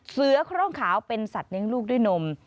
เสือคร่องขาวเป็นสัตว์เลี้ยงลูกด้วยนม